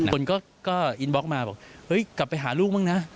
คนก็อินบล็อกมาบอกเฮ้ยกลับไปหาลูกบ้างนะ